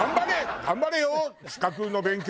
「頑張れよ資格の勉強！」